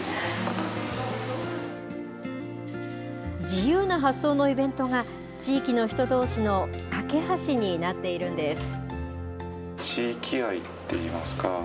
自由な発想なイベントが、地域の人どうしの懸け橋になっているんです。